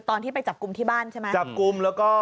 ตอนที่ไปจับกุมที่บ้านใช่ไหม